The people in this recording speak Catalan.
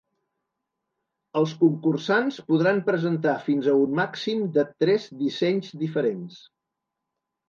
Els concursants podran presentar fins a un màxim de tres dissenys diferents.